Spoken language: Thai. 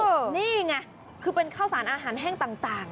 นี่ไงคือเป็นข้าวสารอาหารแห้งต่าง